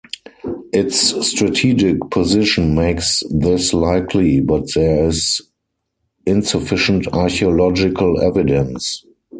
Its strategic position makes this likely, but there is insufficient archaeological evidence.